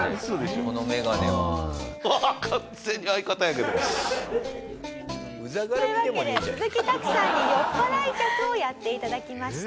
この眼鏡は。というわけで鈴木拓さんに酔っ払い客をやって頂きました。